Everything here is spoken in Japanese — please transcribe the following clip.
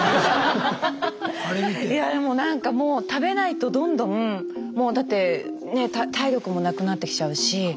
いやでもなんかもう食べないとどんどんだって体力もなくなってきちゃうし。